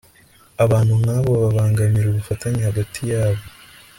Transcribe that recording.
abantu nk'abo babangamira ubufatanye hagati yabo